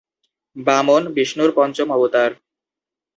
বামন বিষ্ণুর পঞ্চম অবতার।